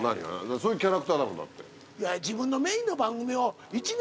そういうキャラクターだもんだって。